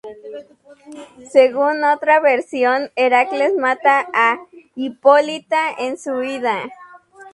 Según otra versión, Heracles mata a Hipólita en su huida.